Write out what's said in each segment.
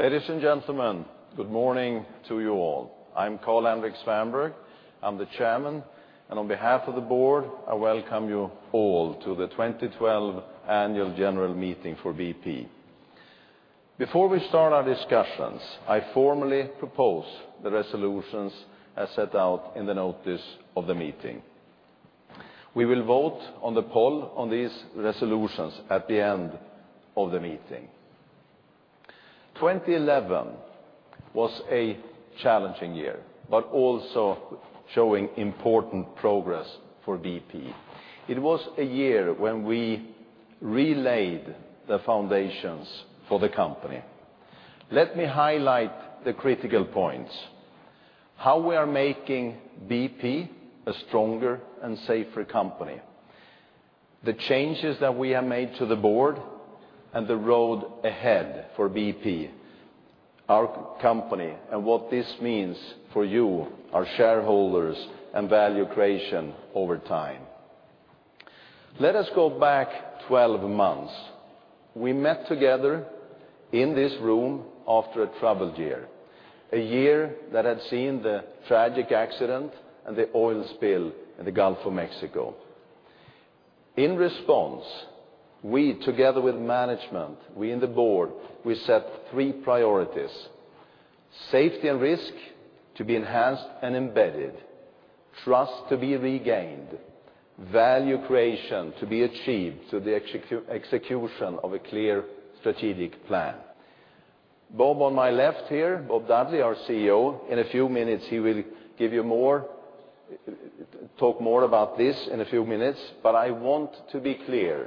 Ladies and gentlemen, good morning to you all. I'm Carl-Henric Svanberg. I'm the Chairman, and on behalf of the Board, I welcome you all to the 2012 Annual General Meeting for BP. Before we start our discussions, I formally propose the resolutions as set out in the notice of the meeting. We will vote on the poll on these resolutions at the end of the meeting. 2011 was a challenging year, but also showing important progress for BP. It was a year when we relayed the foundations for the company. Let me highlight the critical points: how we are making BP a stronger and safer company, the changes that we have made to the Board, and the road ahead for BP, our company, and what this means for you, our shareholders, and value creation over time. Let us go back 12 months. We met together in this room after a troubled year, a year that had seen the tragic accident and the oil spill in the Gulf of Mexico. In response, we, together with management, in the Board, set three priorities: safety and risk to be enhanced and embedded, trust to be regained, value creation to be achieved through the execution of a clear strategic plan. Bob on my left here, Bob Dudley, our CEO, in a few minutes, he will give you more, talk more about this in a few minutes, but I want to be clear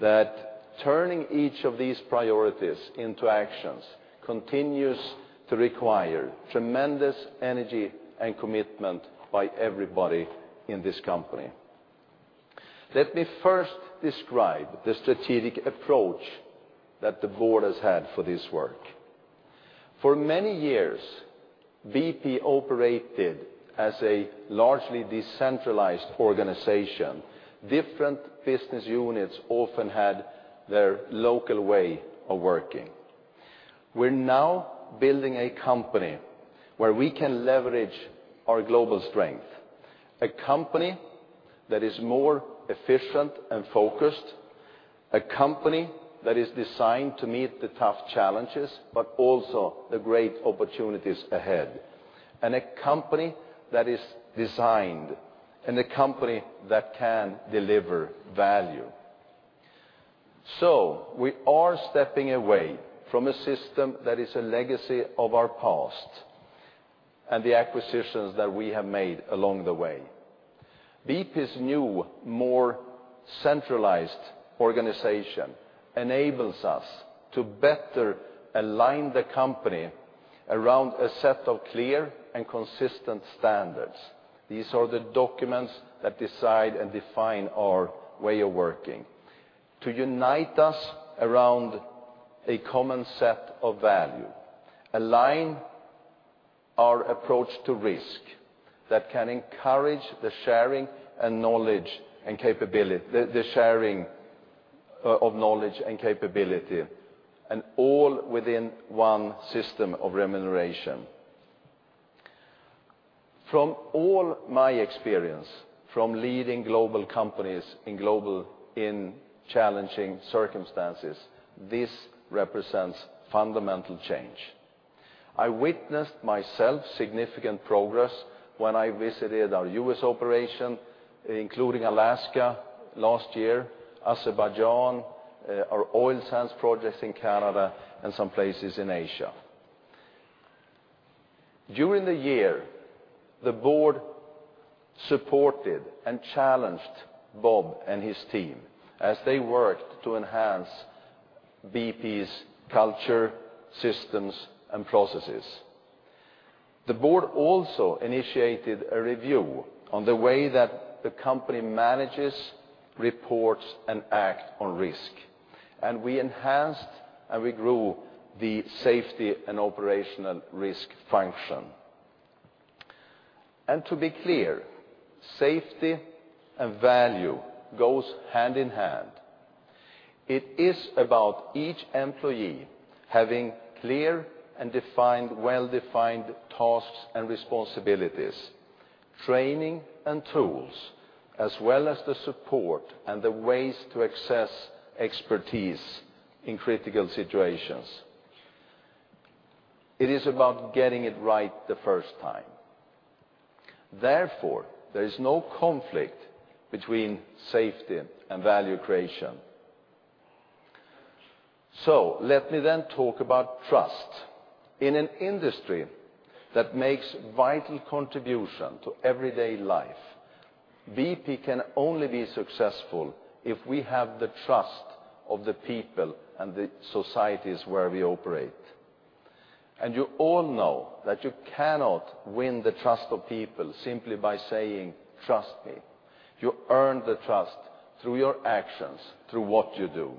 that turning each of these priorities into actions continues to require tremendous energy and commitment by everybody in this company. Let me first describe the strategic approach that the Board has had for this work. For many years, BP operated as a largely decentralized organization. Different business units often had their local way of working. We're now building a company where we can leverage our global strength, a company that is more efficient and focused, a company that is designed to meet the tough challenges, but also the great opportunities ahead, and a company that is designed and a company that can deliver value. We are stepping away from a system that is a legacy of our past and the acquisitions that we have made along the way. BP's new, more centralized organization enables us to better align the company around a set of clear and consistent standards. These are the documents that decide and define our way of working, to unite us around a common set of values, align our approach to risk that can encourage the sharing of knowledge and capability, and all within one system of remuneration. From all my experience from leading global companies in global, in challenging circumstances, this represents fundamental change. I witnessed myself significant progress when I visited our U.S. operation, including Alaska last year, Azerbaijan, our oil sands projects in Canada, and some places in Asia. During the year, the Board supported and challenged Bob and his team as they worked to enhance BP's culture, systems, and processes. The Board also initiated a review on the way that the company manages, reports, and acts on risk, and we enhanced and we grew the safety and operational risk function. To be clear, safety and value go hand in hand. It is about each employee having clear and defined, well-defined tasks and responsibilities, training and tools, as well as the support and the ways to access expertise in critical situations. It is about getting it right the first time. Therefore, there is no conflict between safety and value creation. Let me then talk about trust. In an industry that makes a vital contribution to everyday life, BP can only be successful if we have the trust of the people and the societies where we operate. You all know that you cannot win the trust of people simply by saying, "Trust me." You earn the trust through your actions, through what you do.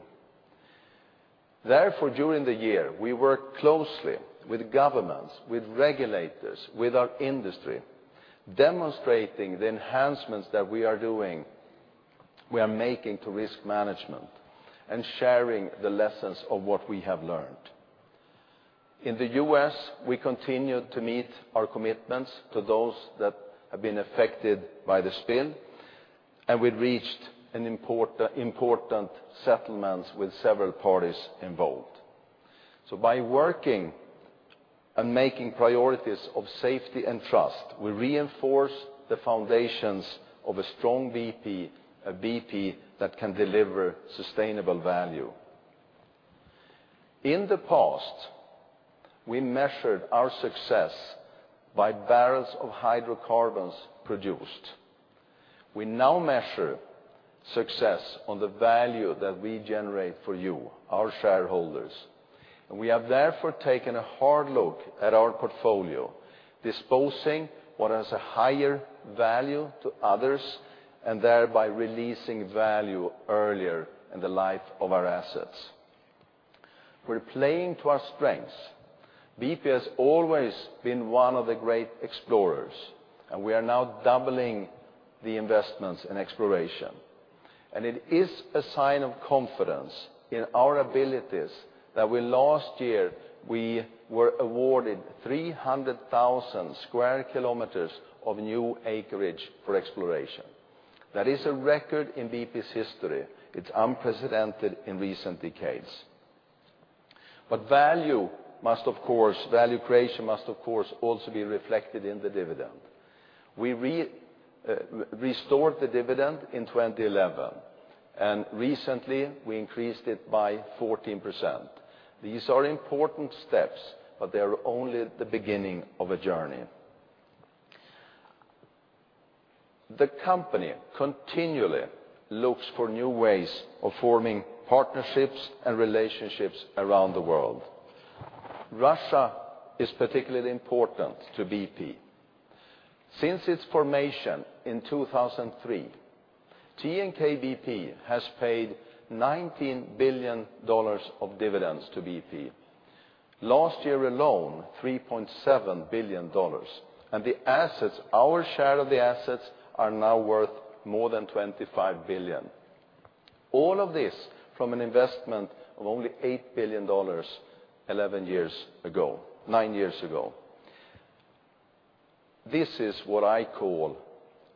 Therefore, during the year, we worked closely with governments, with regulators, with our industry, demonstrating the enhancements that we are doing, we are making to risk management, and sharing the lessons of what we have learned. In the U.S., we continued to meet our commitments to those that have been affected by the spill, and we reached important settlements with several parties involved. By working and making priorities of safety and trust, we reinforce the foundations of a strong BP, a BP that can deliver sustainable value. In the past, we measured our success by barrels of hydrocarbons produced. We now measure success on the value that we generate for you, our shareholders. We have therefore taken a hard look at our portfolio, disposing what has a higher value to others and thereby releasing value earlier in the life of our assets. We're playing to our strengths. BP has always been one of the great explorers, and we are now doubling the investments in exploration. It is a sign of confidence in our abilities that last year, we were awarded 300,000 square kilometers of new acreage for exploration. That is a record in BP's history. It's unprecedented in recent decades. Value creation must, of course, also be reflected in the dividend. We restored the dividend in 2011, and recently, we increased it by 14%. These are important steps, but they're only the beginning of a journey. The company continually looks for new ways of forming partnerships and relationships around the world. Russia is particularly important to BP. Since its formation in 2003, TNK-BP has paid $19 billion of dividends to BP. Last year alone, $3.7 billion, and the assets, our share of the assets, are now worth more than $25 billion. All of this from an investment of only $8 billion, 11 years ago, nine years ago. This is what I call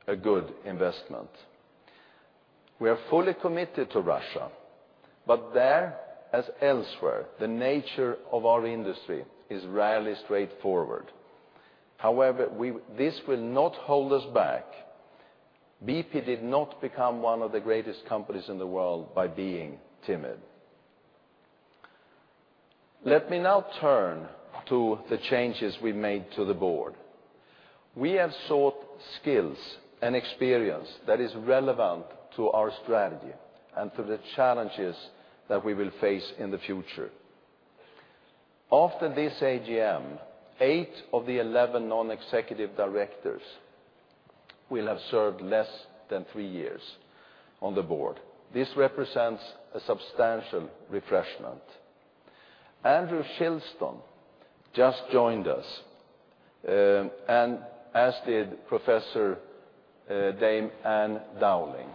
a good investment. We are fully committed to Russia, but there, as elsewhere, the nature of our industry is rarely straightforward. However, this will not hold us back. BP did not become one of the greatest companies in the world by being timid. Let me now turn to the changes we made to the Board. We have sought skills and experience that are relevant to our strategy and to the challenges that we will face in the future. After this AGM, 8 of the 11 non-executive directors will have served less than three years on the Board. This represents a substantial refreshment. Andrew Shilston just joined us, as did Professor Dame Ann Dowling.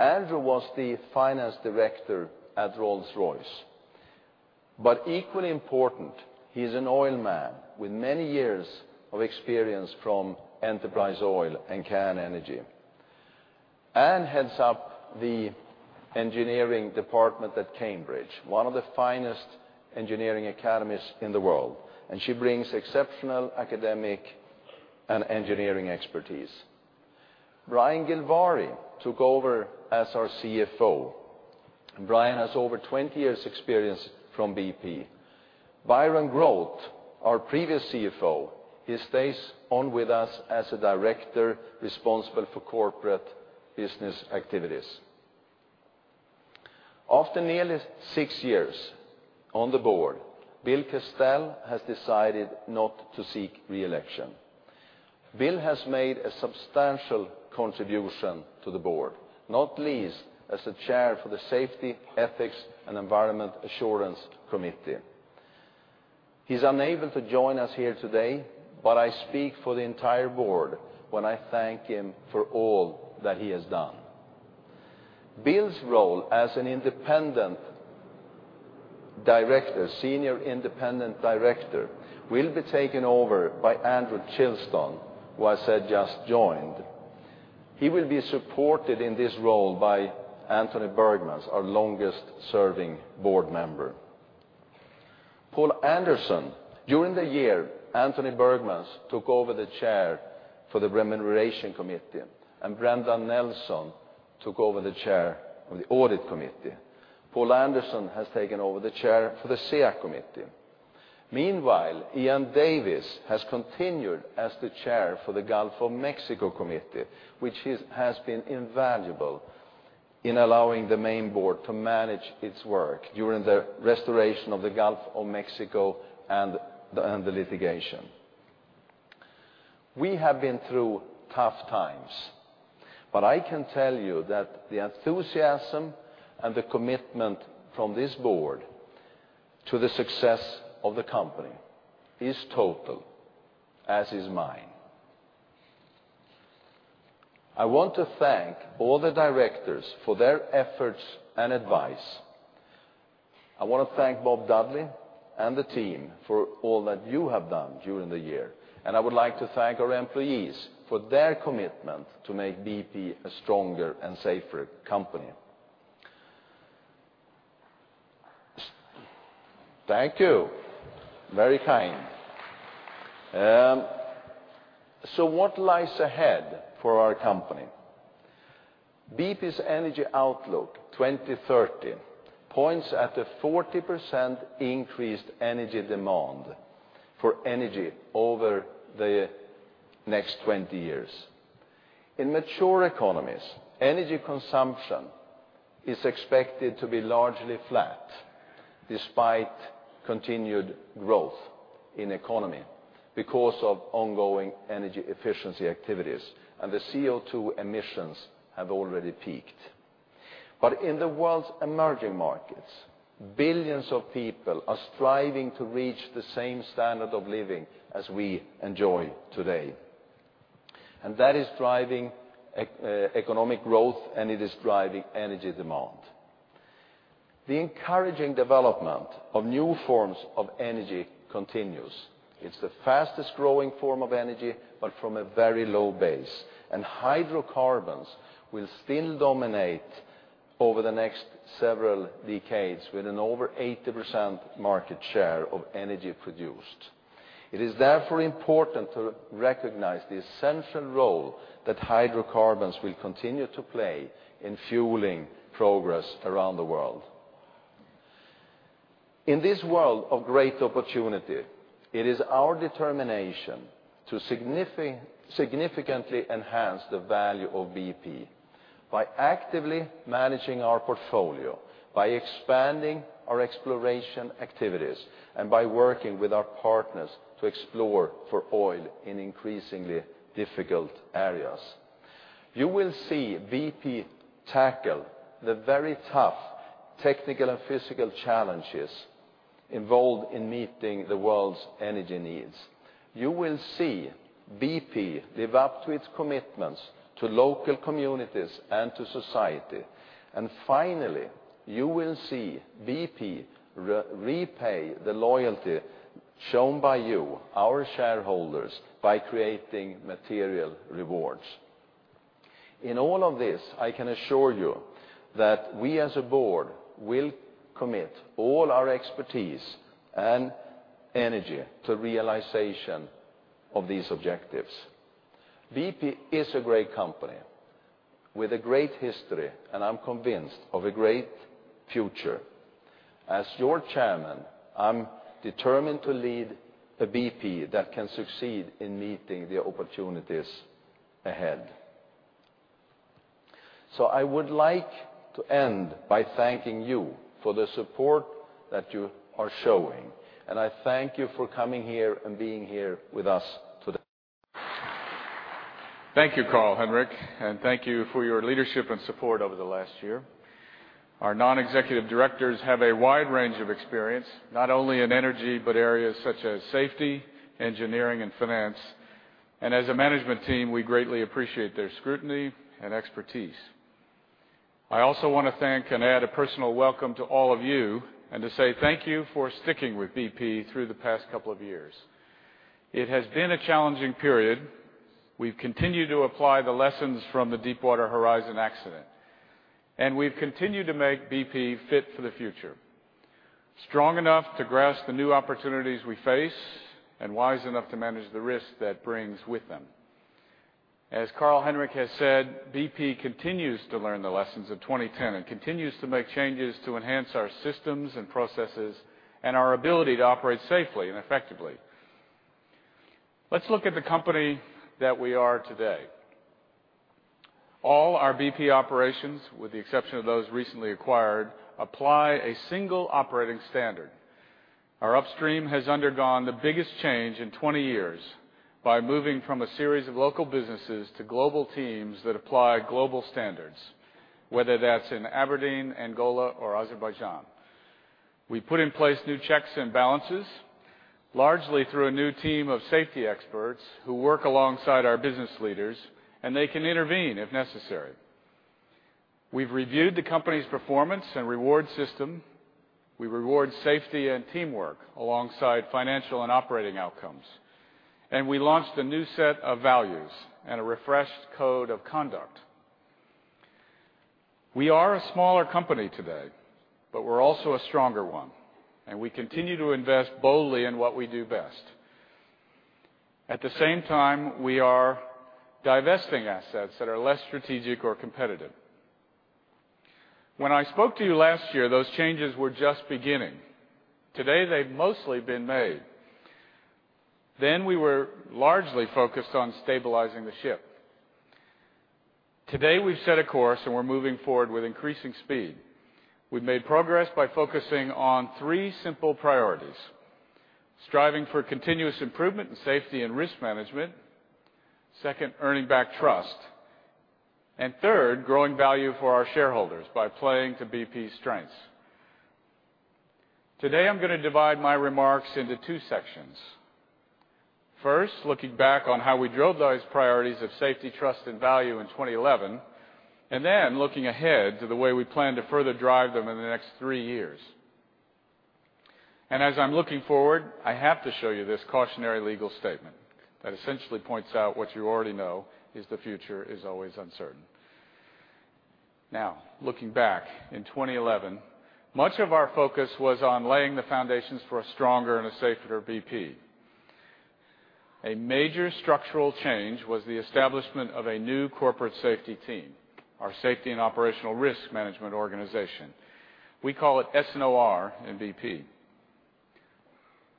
Andrew was the Finance Director at Rolls-Royce. Equally important, he's an oil man with many years of experience from Enterprise Oil and CAN Energy. Ann heads up the Engineering Department at Cambridge, one of the finest engineering academies in the world, and she brings exceptional academic and engineering expertise. Brian Gilvary took over as our CFO. Brian has over 20 years' experience from BP. Byron Grote, our previous CFO, stays on with us as a director responsible for corporate business activities. After nearly six years on the Board, Bill Castell has decided not to seek reelection. Bill has made a substantial contribution to the Board, not least as Chair for the Safety, Ethics and Environment Assurance Committee. He's unable to join us here today, but I speak for the entire Board when I thank him for all that he has done. Bill's role as Senior Independent Director will be taken over by Andrew Shilston, who I said just joined. He will be supported in this role by Antony Burgmans, our longest-serving Board member. Paul Anderson, during the year, Antony Burgmans took over the Chair for the Remuneration Committee, and Brendan Nelson took over the Chair of the Audit Committee. Paul Anderson has taken over the Chair for the [SEAC] Committee. Meanwhile, Ian Davis has continued as the Chair for the Gulf of Mexico Committee, which has been invaluable in allowing the main Board to manage its work during the restoration of the Gulf of Mexico and the litigation. We have been through tough times, but I can tell you that the enthusiasm and the commitment from this Board to the success of the company is total, as is mine. I want to thank all the directors for their efforts and advice. I want to thank Bob Dudley and the team for all that you have done during the year, and I would like to thank our employees for their commitment to make BP a stronger and safer company. Thank you. Very kind. What lies ahead for our company? BP's Energy Outlook 2030 points at a 40% increased energy demand for energy over the next 20 years. In mature economies, energy consumption is expected to be largely flat despite continued growth in the economy because of ongoing energy efficiency activities, and the CO2 emissions have already peaked. In the world's emerging markets, billions of people are striving to reach the same standard of living as we enjoy today. That is driving economic growth, and it is driving energy demand. The encouraging development of new forms of energy continues. It's the fastest growing form of energy, but from a very low base, and hydrocarbons will still dominate over the next several decades with an over 80% market share of energy produced. It is therefore important to recognize the essential role that hydrocarbons will continue to play in fueling progress around the world. In this world of great opportunity, it is our determination to significantly enhance the value of BP by actively managing our portfolio, by expanding our exploration activities, and by working with our partners to explore for oil in increasingly difficult areas. You will see BP tackle the very tough technical and physical challenges involved in meeting the world's energy needs. You will see BP live up to its commitments to local communities and to society. Finally, you will see BP repay the loyalty shown by you, our shareholders, by creating material rewards. In all of this, I can assure you that we, as a Board, will commit all our expertise and energy to the realization of these objectives. BP is a great company with a great history, and I'm convinced of a great future. As your Chairman, I'm determined to lead a BP that can succeed in meeting the opportunities ahead. I would like to end by thanking you for the support that you are showing, and I thank you for coming here and being here with us today. Thank you, Carl-Henric, and thank you for your leadership and support over the last year. Our non-executive directors have a wide range of experience, not only in energy, but areas such as safety, engineering, and finance. As a management team, we greatly appreciate their scrutiny and expertise. I also want to thank and add a personal welcome to all of you and to say thank you for sticking with BP through the past couple of years. It has been a challenging period. We've continued to apply the lessons from the Deepwater Horizon accident, and we've continued to make BP fit for the future, strong enough to grasp the new opportunities we face and wise enough to manage the risk that brings with them. As Carl-Henric has said, BP continues to learn the lessons of 2010 and continues to make changes to enhance our systems and processes and our ability to operate safely and effectively. Let's look at the company that we are today. All our BP operations, with the exception of those recently acquired, apply a single operating standard. Our upstream has undergone the biggest change in 20 years by moving from a series of local businesses to global teams that apply global standards, whether that's in Aberdeen, Angola, or Azerbaijan. We put in place new checks and balances, largely through a new team of safety experts who work alongside our business leaders, and they can intervene if necessary. We've reviewed the company's performance and reward system. We reward safety and teamwork alongside financial and operating outcomes, and we launched a new set of values and a refreshed code of conduct. We are a smaller company today, but we're also a stronger one, and we continue to invest boldly in what we do best. At the same time, we are divesting assets that are less strategic or competitive. When I spoke to you last year, those changes were just beginning. Today, they've mostly been made. We were largely focused on stabilizing the ship. Today, we've set a course, and we're moving forward with increasing speed. We've made progress by focusing on three simple priorities: striving for continuous improvement in safety and risk management, earning back trust, and growing value for our shareholders by playing to BP's strengths. Today, I'm going to divide my remarks into two sections. First, looking back on how we drove those priorities of safety, trust, and value in 2011, and then looking ahead to the way we plan to further drive them in the next three years. As I'm looking forward, I have to show you this cautionary legal statement that essentially points out what you already know is the future is always uncertain. Now, looking back in 2011, much of our focus was on laying the foundations for a stronger and a safer BP. A major structural change was the establishment of a new corporate safety team, our Safety and Operational Risk Management Organization. We call it S&OR in BP.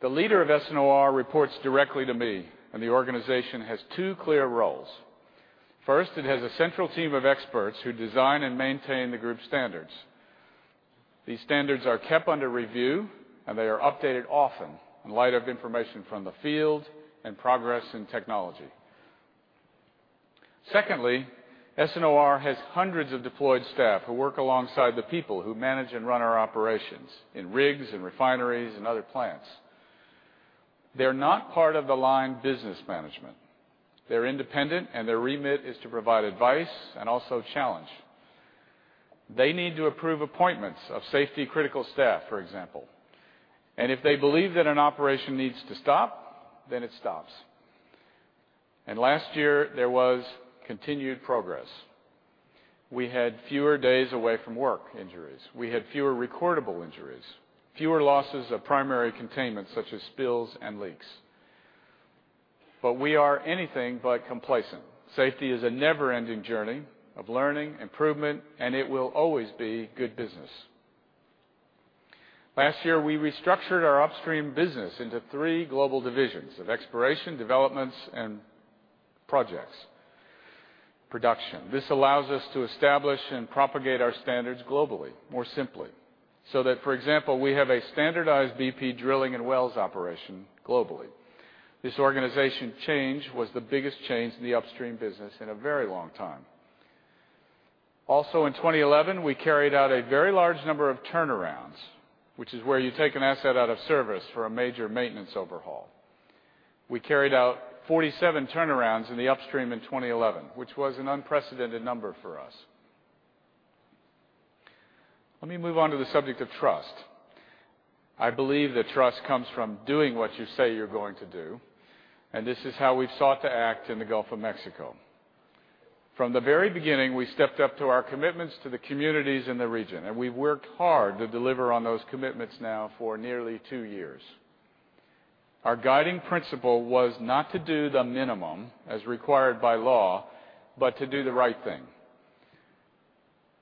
The leader of S&OR reports directly to me, and the organization has two clear roles. First, it has a central team of experts who design and maintain the group standards. These standards are kept under review, and they are updated often in light of information from the field and progress in technology. Secondly, S&OR has hundreds of deployed staff who work alongside the people who manage and run our operations in rigs and refineries and other plants. They're not part of the line business management. They're independent, and their remit is to provide advice and also challenge. They need to approve appointments of safety-critical staff, for example. If they believe that an operation needs to stop, then it stops. Last year, there was continued progress. We had fewer days away from work injuries. We had fewer recordable injuries, fewer losses of primary containment, such as spills and leaks. We are anything but complacent. Safety is a never-ending journey of learning, improvement, and it will always be good business. Last year, we restructured our upstream business into three global divisions of exploration, developments, and projects. Production. This allows us to establish and propagate our standards globally more simply so that, for example, we have a standardized BP drilling and wells operation globally. This organization change was the biggest change in the upstream business in a very long time. Also, in 2011, we carried out a very large number of turnarounds, which is where you take an asset out of service for a major maintenance overhaul. We carried out 47 turnarounds in the upstream in 2011, which was an unprecedented number for us. Let me move on to the subject of trust. I believe that trust comes from doing what you say you're going to do, and this is how we've sought to act in the Gulf of Mexico. From the very beginning, we stepped up to our commitments to the communities in the region, and we've worked hard to deliver on those commitments now for nearly two years. Our guiding principle was not to do the minimum as required by law, but to do the right thing.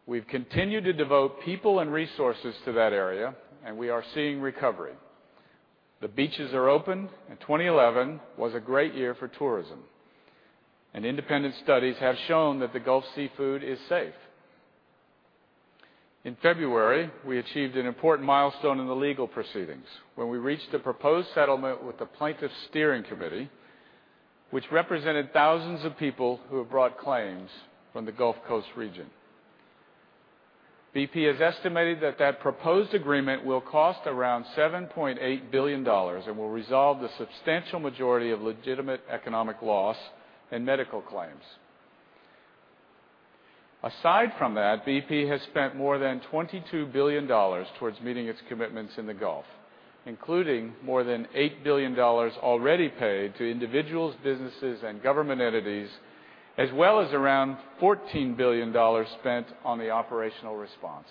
We've continued to devote people and resources to that area, and we are seeing recovery. The beaches are open, and 2011 was a great year for tourism. Independent studies have shown that the Gulf seafood is safe. In February, we achieved an important milestone in the legal proceedings when we reached a proposed settlement with the Plaintiff Steering Committee, which represented thousands of people who have brought claims from the Gulf Coast region. BP has estimated that that proposed agreement will cost around $7.8 billion and will resolve the substantial majority of legitimate economic loss and medical claims. Aside from that, BP has spent more than $22 billion towards meeting its commitments in the Gulf, including more than $8 billion already paid to individuals, businesses, and government entities, as well as around $14 billion spent on the operational response.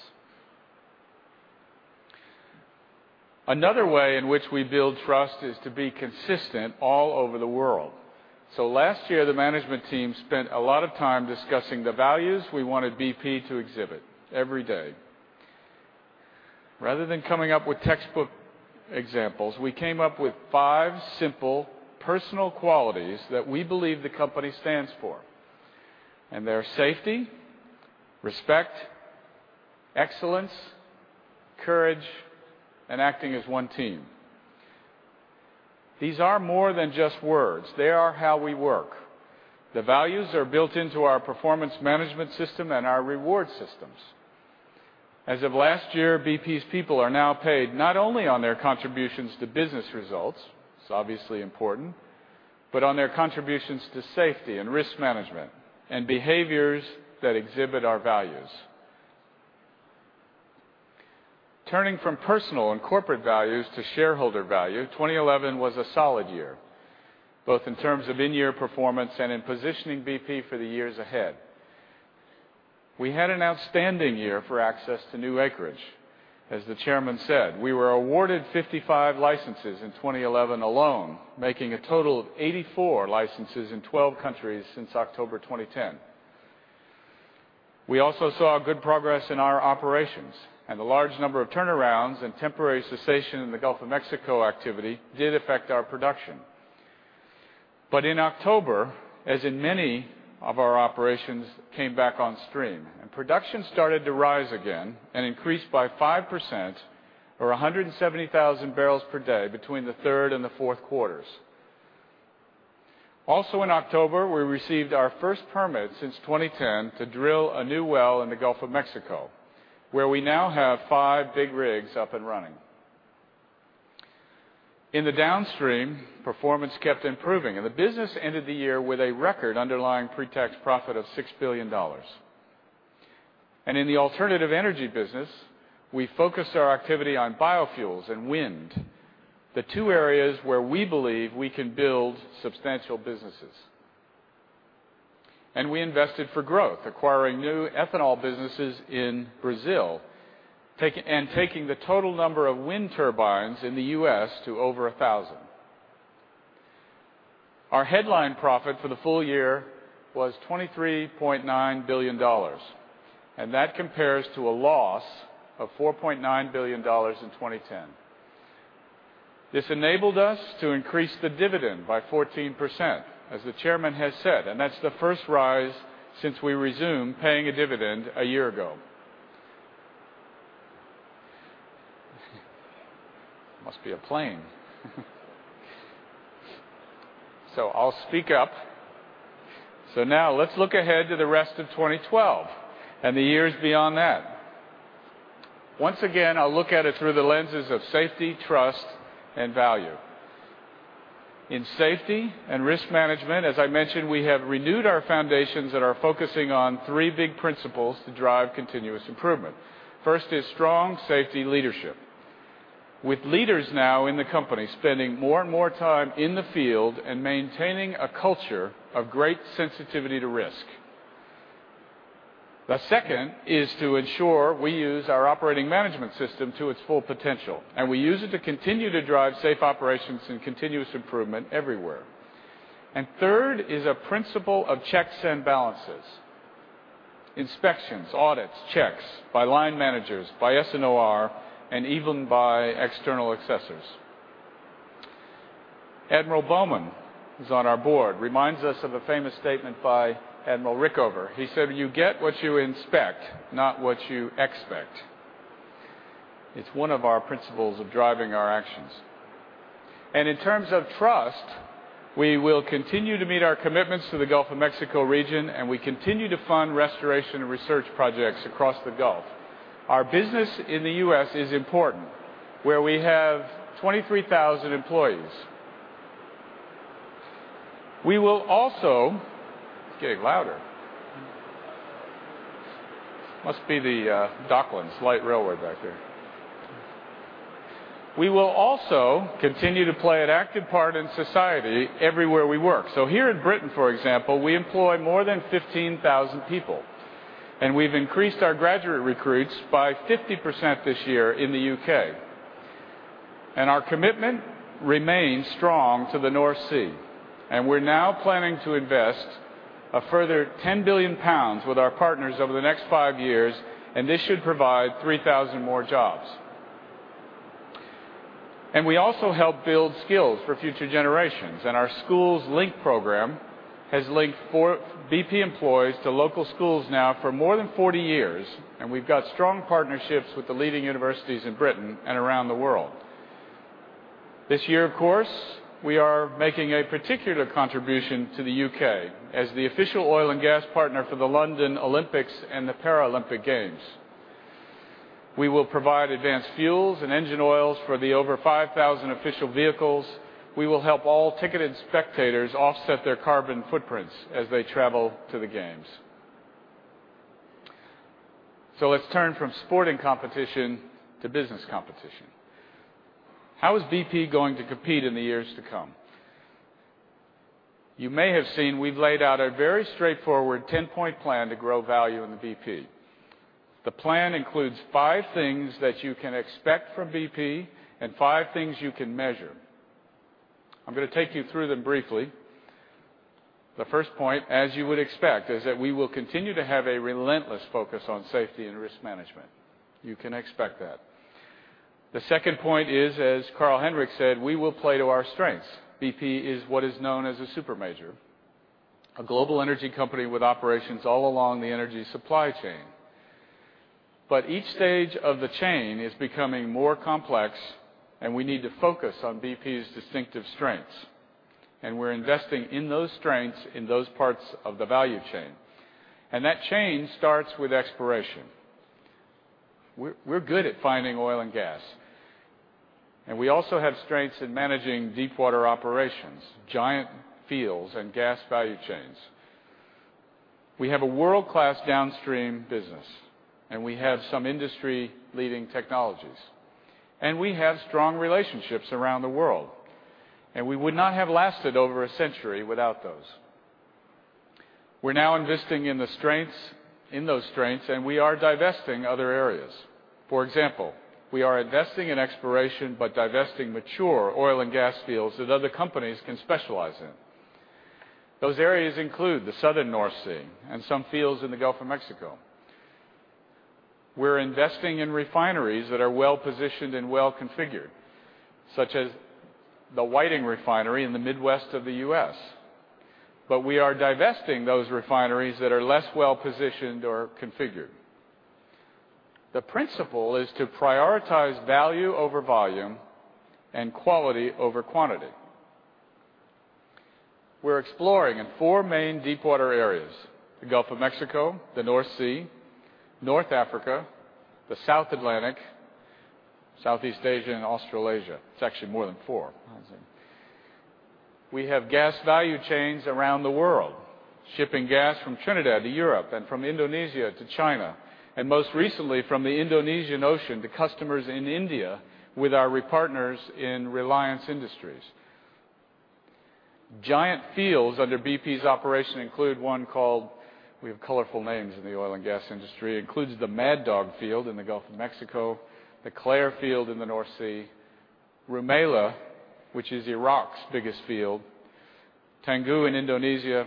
Another way in which we build trust is to be consistent all over the world. Last year, the management team spent a lot of time discussing the values we wanted BP to exhibit every day. Rather than coming up with textbook examples, we came up with five simple personal qualities that we believe the company stands for, and they are safety, respect, excellence, courage, and acting as one team. These are more than just words. They are how we work. The values are built into our performance management system and our reward systems. As of last year, BP's people are now paid not only on their contributions to business results, it's obviously important, but on their contributions to safety and risk management and behaviors that exhibit our values. Turning from personal and corporate values to shareholder value, 2011 was a solid year, both in terms of in-year performance and in positioning BP for the years ahead. We had an outstanding year for access to new acreage. As the Chairman said, we were awarded 55 licenses in 2011 alone, making a total of 84 licenses in 12 countries since October 2010. We also saw good progress in our operations, and the large number of turnarounds and temporary cessation in the Gulf of Mexico activity did affect our production. In October, as in many of our operations, came back on stream, and production started to rise again and increased by 5%, or 170,000 barrels per day between the third and the fourth quarters. Also, in October, we received our first permit since 2010 to drill a new well in the Gulf of Mexico, where we now have five big rigs up and running. In the downstream, performance kept improving, and the business ended the year with a record underlying pre-tax profit of $6 billion. In the alternative energy business, we focused our activity on biofuels and wind, the two areas where we believe we can build substantial businesses. We invested for growth, acquiring new ethanol businesses in Brazil and taking the total number of wind turbines in the U.S. to over 1,000. Our headline profit for the full year was $23.9 billion, and that compares to a loss of $4.9 billion in 2010. This enabled us to increase the dividend by 14%, as the Chairman has said, and that's the first rise since we resumed paying a dividend a year ago. Must be a plane. I'll speak up. Now let's look ahead to the rest of 2012 and the years beyond that. Once again, I'll look at it through the lenses of safety, trust, and value. In safety and risk management, as I mentioned, we have renewed our foundations and are focusing on three big principles to drive continuous improvement. First is strong safety leadership, with leaders now in the company spending more and more time in the field and maintaining a culture of great sensitivity to risk. The second is to ensure we use our operating management system to its full potential, and we use it to continue to drive safe operations and continuous improvement everywhere. Third is a principle of checks and balances, inspections, audits, checks by line managers, by S&OR, and even by external assessors. Admiral Bowman, who's on our Board, reminds us of a famous statement by Admiral Rickover. He said, "You get what you inspect, not what you expect." It's one of our principles of driving our actions. In terms of trust, we will continue to meet our commitments to the Gulf of Mexico region, and we continue to fund restoration and research projects across the Gulf. Our business in the U.S. is important, where we have 23,000 employees. We will also--it's getting louder. Must be the Docklands Light Railway back there. We will also continue to play an active part in society everywhere we work. Here in Britain, for example, we employ more than 15,000 people, and we've increased our graduate recruits by 50% this year in the UK. Our commitment remains strong to the North Sea, and we're now planning to invest a further 10 billion pounds with our partners over the next five years. This should provide 3,000 more jobs. We also help build skills for future generations, and our schools link program has linked BP employees to local schools now for more than 40 years. We've got strong partnerships with the leading universities in Britain and around the world. This year, of course, we are making a particular contribution to the UK as the official oil and gas partner for the London Olympics and the Paralympic Games. We will provide advanced fuels and engine oils for the over 5,000 official vehicles. We will help all ticketed spectators offset their carbon footprints as they travel to the Games. Let's turn from sporting competition to business competition. How is BP going to compete in the years to come? You may have seen we've laid out a very straightforward 10-point plan to grow value in BP. The plan includes five things that you can expect from BP and five things you can measure. I'm going to take you through them briefly. The first point, as you would expect, is that we will continue to have a relentless focus on safety and risk management. You can expect that. The second point is, as Carl-Henric said, we will play to our strengths. BP is what is known as a supermajor, a global energy company with operations all along the energy supply chain. Each stage of the chain is becoming more complex, and we need to focus on BP's distinctive strengths. We're investing in those strengths in those parts of the value chain. That chain starts with exploration. We're good at finding oil and gas, and we also have strengths in managing deepwater operations, giant fields, and gas value chains. We have a world-class downstream business, and we have some industry-leading technologies, and we have strong relationships around the world. We would not have lasted over a century without those. We're now investing in those strengths, and we are divesting other areas. For example, we are investing in exploration but divesting mature oil and gas fields that other companies can specialize in. Those areas include the southern North Sea and some fields in the Gulf of Mexico. We're investing in refineries that are well-positioned and well-configured, such as the Whiting Refinery in the Midwest of the U.S. We are divesting those refineries that are less well-positioned or configured. The principle is to prioritize value over volume and quality over quantity. We're exploring in four main deepwater areas: the Gulf of Mexico, the North Sea, North Africa, the South Atlantic, Southeast Asia, and Australasia. It's actually more than four. We have gas value chains around the world, shipping gas from Trinidad to Europe and from Indonesia to China, and most recently from the Indian Ocean to customers in India with our partners in Reliance Industries. Giant fields under BP's operation include one called—we have colorful names in the oil and gas industry—it includes the Mad Dog Field in the Gulf of Mexico, the Clare Field in the North Sea, Rumaila, which is Iraq's biggest field, Tangguh in Indonesia,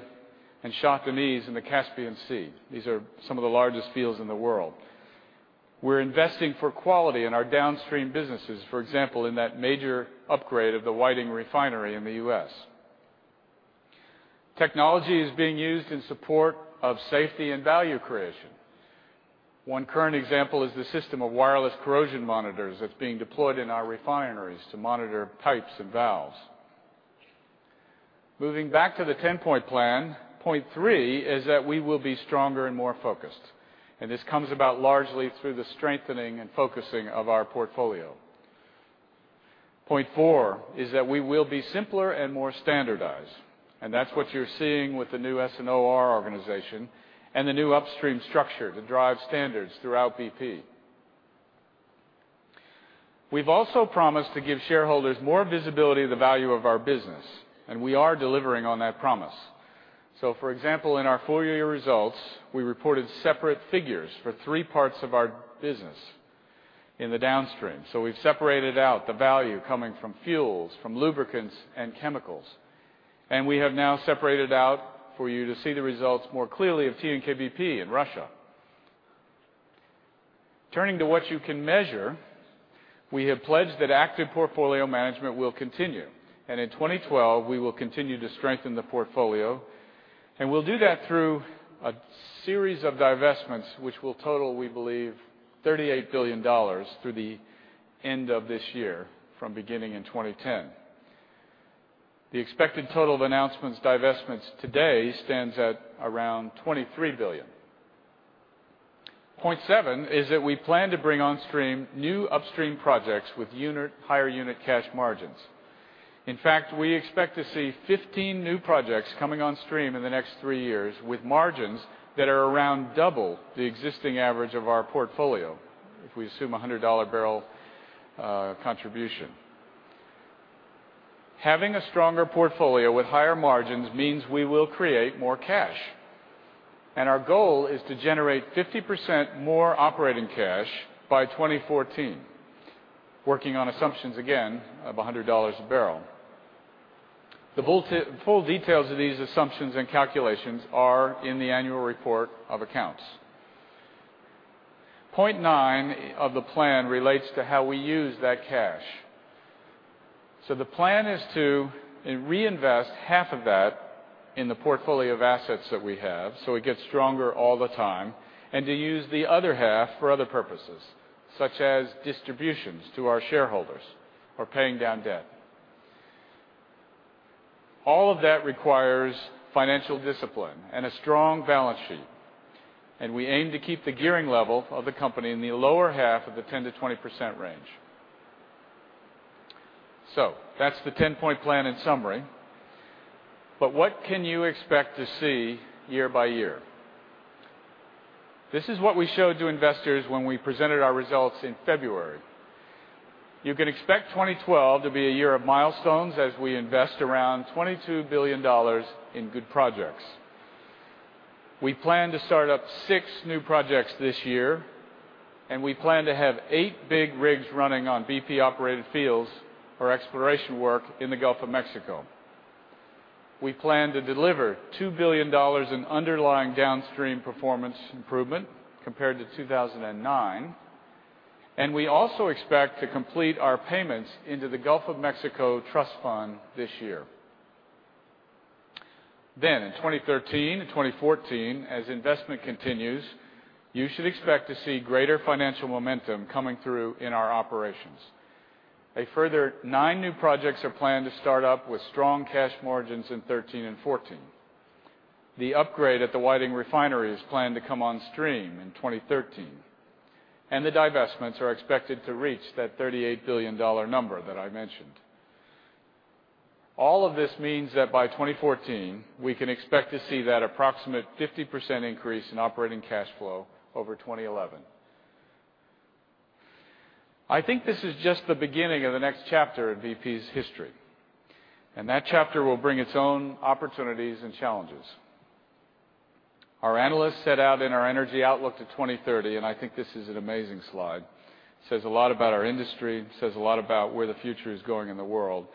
and Shah Deniz in the Caspian Sea. These are some of the largest fields in the world. We're investing for quality in our downstream businesses, for example, in that major upgrade of the Whiting Refinery in the U.S. Technology is being used in support of safety and value creation. One current example is the system of wireless corrosion monitors that's being deployed in our refineries to monitor pipes and valves. Moving back to the 10-point plan, point three is that we will be stronger and more focused, and this comes about largely through the strengthening and focusing of our portfolio. Point four is that we will be simpler and more standardized, and that's what you're seeing with the new S&OR organization and the new upstream structure to drive standards throughout BP. We've also promised to give shareholders more visibility to the value of our business, and we are delivering on that promise. For example, in our full-year results, we reported separate figures for three parts of our business in the downstream. We've separated out the value coming from fuels, from lubricants, and chemicals, and we have now separated out for you to see the results more clearly of TNK-BP in Russia. Turning to what you can measure, we have pledged that active portfolio management will continue, and in 2012, we will continue to strengthen the portfolio, and we'll do that through a series of divestments, which will total, we believe, $38 billion through the end of this year, from beginning in 2010. The expected total of announced divestments today stands at around $23 billion. Point seven is that we plan to bring onstream new upstream projects with higher unit cash margins. In fact, we expect to see 15 new projects coming onstream in the next three years with margins that are around double the existing average of our portfolio if we assume a $100 barrel contribution. Having a stronger portfolio with higher margins means we will create more cash, and our goal is to generate 50% more operating cash by 2014, working on assumptions again of $100 a barrel. The full details of these assumptions and calculations are in the annual report of accounts. Point nine of the plan relates to how we use that cash. The plan is to reinvest half of that in the portfolio of assets that we have so it gets stronger all the time, and to use the other half for other purposes, such as distributions to our shareholders or paying down debt. All of that requires financial discipline and a strong balance sheet, and we aim to keep the gearing level of the company in the lower half of the 10%-20% range. That's the 10-point plan in summary. What can you expect to see year-by-year? This is what we showed to investors when we presented our results in February. You can expect 2012 to be a year of milestones as we invest around $22 billion in good projects. We plan to start up six new projects this year, and we plan to have eight big rigs running on BP-operated fields for exploration work in the Gulf of Mexico. We plan to deliver $2 billion in underlying downstream performance improvement compared to 2009, and we also expect to complete our payments into the Gulf of Mexico Trust Fund this year. In 2013 and 2014, as investment continues, you should expect to see greater financial momentum coming through in our operations. A further nine new projects are planned to start up with strong cash margins in 2013 and 2014. The upgrade at the Whiting Refinery is planned to come onstream in 2013, and the divestments are expected to reach that $38 billion number that I mentioned. All of this means that by 2014, we can expect to see that approximate 50% increase in operating cash flow over 2011. I think this is just the beginning of the next chapter of BP's history, and that chapter will bring its own opportunities and challenges. Our analysts set out in our energy outlook to 2030, and I think this is an amazing slide. It says a lot about our industry, says a lot about where the future is going in the world.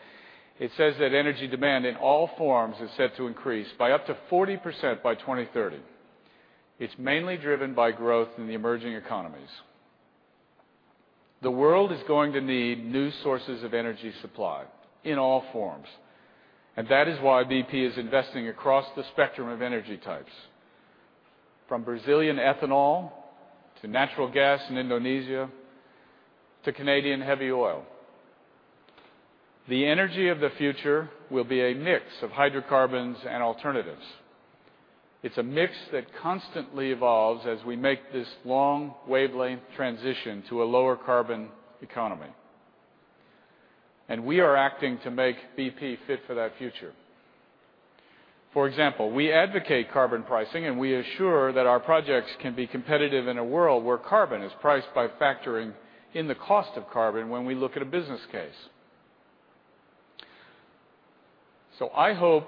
It says that energy demand in all forms is set to increase by up to 40% by 2030. It's mainly driven by growth in the emerging economies. The world is going to need new sources of energy supply in all forms, and that is why BP is investing across the spectrum of energy types, from Brazilian ethanol to natural gas in Indonesia to Canadian heavy oil. The energy of the future will be a mix of hydrocarbons and alternatives. It's a mix that constantly evolves as we make this long, wavelength transition to a lower carbon economy, and we are acting to make BP fit for that future. For example, we advocate carbon pricing, and we assure that our projects can be competitive in a world where carbon is priced by factoring in the cost of carbon when we look at a business case. I hope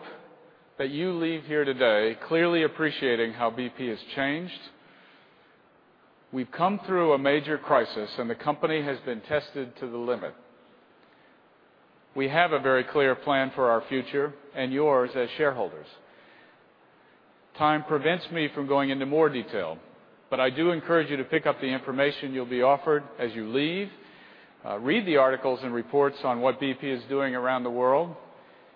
that you leave here today clearly appreciating how BP has changed. We've come through a major crisis, and the company has been tested to the limit. We have a very clear plan for our future and yours as shareholders. Time prevents me from going into more detail, but I do encourage you to pick up the information you'll be offered as you leave. Read the articles and reports on what BP is doing around the world.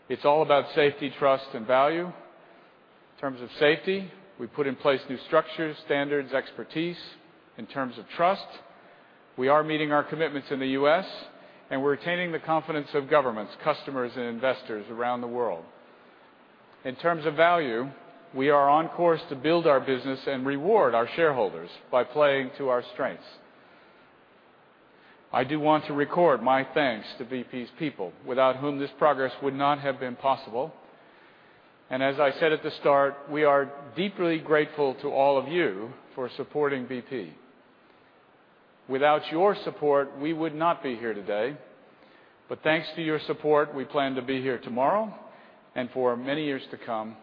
It's all about safety, trust, and value. In terms of safety, we put in place new structures, standards, expertise. In terms of trust, we are meeting our commitments in the U.S., and we're attaining the confidence of governments, customers, and investors around the world. In terms of value, we are on course to build our business and reward our shareholders by playing to our strengths. I do want to record my thanks to BP's people, without whom this progress would not have been possible. As I said at the start, we are deeply grateful to all of you for supporting BP. Without your support, we would not be here today, but thanks to your support, we plan to be here tomorrow and for many years to come.